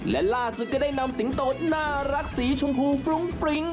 และล่าสุดก็ได้นำสิงโตน่ารักสีชมพูฟรุ้งฟริ้ง